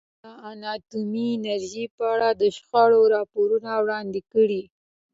ازادي راډیو د اټومي انرژي په اړه د شخړو راپورونه وړاندې کړي.